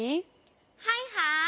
はいはい！